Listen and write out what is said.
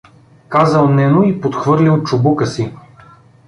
казал Нено и подхвърлил чубука си.